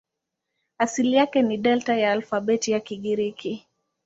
Asili yake ni Delta ya alfabeti ya Kigiriki.